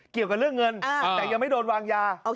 เกี่ยวกับเรื่องเงินแต่ยังไม่โดนวางยา